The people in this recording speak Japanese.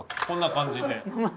こんな感じで。